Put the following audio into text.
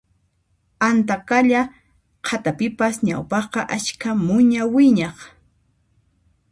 Antaqalla qhatapipas ñawpaqqa ashka muña wiñaq